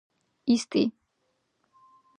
ისტი